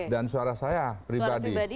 dan suara saya pribadi